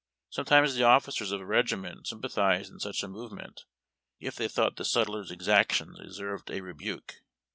Sometimes the officers (jf a reoiment sympathized in such a movement, if they tliought the sutler's exactions deserved a rebuke.